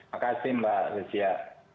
makasih mbak lucia